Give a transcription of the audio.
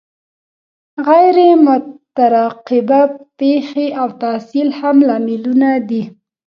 غیر مترقبه پیښې او تحصیل هم لاملونه دي.